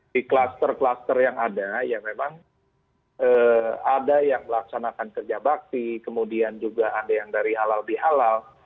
di kluster kluster yang ada ya memang ada yang melaksanakan kerja bakti kemudian juga ada yang dari halal bihalal